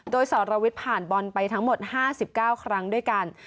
โดยสรวิทย์ผ่านบอลไปทั้งหมด๕๙ครั้งด้วยกัน